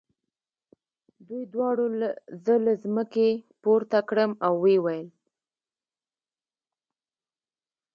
دوی دواړو زه له مځکې پورته کړم او ویې ویل.